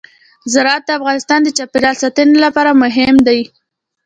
زراعت د افغانستان د چاپیریال ساتنې لپاره مهم دي.